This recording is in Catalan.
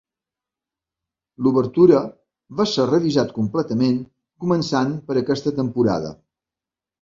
L'obertura va ser revisat completament començant per aquesta temporada.